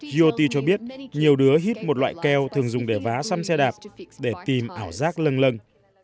jyoti cho biết nhiều đứa hít một loại keo thường dùng để vá xăm xe đạp để tìm ảo giác lần lần